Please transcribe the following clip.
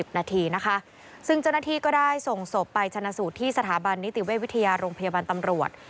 นาทีนะคะซึ่งเจ้าหน้าที่ก็ได้ส่งศพไปชนะสูตรที่สถาบันนิติเวชวิทยาโรงพยาบาลตำรวจ